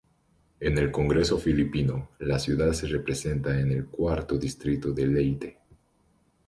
En el Congreso filipino la ciudad se representa en el cuarto distrito de Leyte.